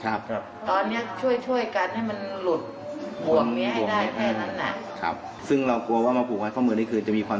ใช่ไหมเราเห็นบ้านไหนบ้านนั้นแล้วผู้ชายมันไม่มีหรอก